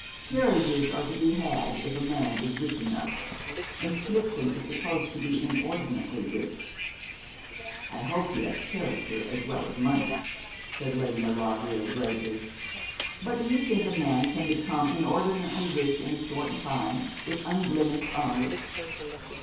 Peerages are to be had if a man is rich enough; and Smithson is supposed to be inordinately rich.' 'I hope he has character as well as money,' said Lady Maulevrier, gravely. 'But do you think a man can become inordinately rich in a short time, with unblemished honour?'